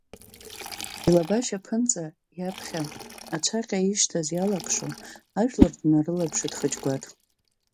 Илабашьа аԥынҵа иаԥхьа аҵәаҟьа ишьҭаз иалакшо, ажәлар днарылаԥшит Хыџьгәаҭ.